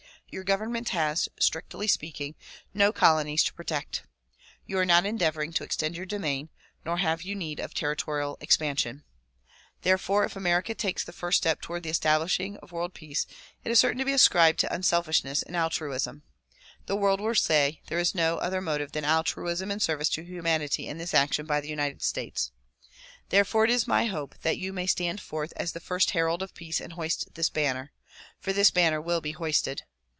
Your government has, strictly speaking, no colonies to protect. You are not endeavoring to extend your domain nor have you need of territorial expansion. Therefore if America takes the first step toward the establishing of world peace it is certain to be 118 THE PROMULGATION OF UNIVERSAL PEACE ascribed to unselfishness and altruism. The world will say "There is no other motive than altruism and service to humanity in this action by the United States." Therefore it is my hope that you may stand forth as the first herald of peace and hoist this banner ; for this banner will be hoisted.